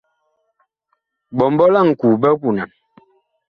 Ɓɔmbɔ la ŋku big punan.